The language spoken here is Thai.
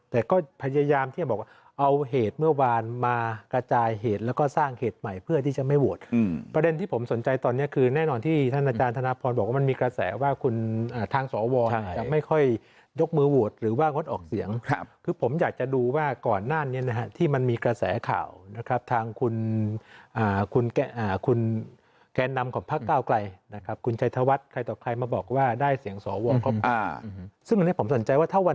แต่ก็พยายามที่บอกว่าเอาเหตุเมื่อวานมากระจายเหตุแล้วก็สร้างเหตุใหม่เพื่อที่จะไม่โหวตประเด็นที่ผมสนใจตอนนี้คือแน่นอนที่ท่านอาจารย์ธนาพรบอกว่ามันมีกระแสว่าคุณอ่าทางสอวรจะไม่ค่อยยกมือโหวตหรือว่างดออกเสียงครับคือผมอยากจะดูว่าก่อนนั้นเนี้ยนะฮะที่มันมีกระแสข่าวนะครับทางคุณอ่าคุณแกะอ่